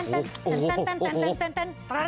คู่กัดสมัติค่าว